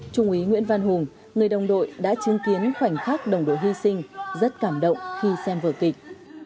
trung úy nguyễn văn hùng người đồng đội đã chứng kiến khoảnh khắc đồng đội hy sinh rất cảm động khi xem vở kịch